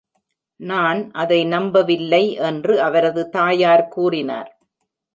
"நான் அதை நம்பவில்லை," என்று அவரது தாயார் கூறினார்.